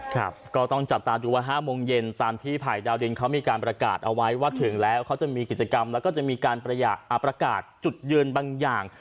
ครับก็ต้องจับตาดูว่า๕โมงเย็นตามที่ภัยดาวดินเขามีการประกาศเอาไว้ว่าถึงแล้วเขาจะมีกิจกรรมแล้วก็จะมีการประกาศจุดยืนบางอย่าง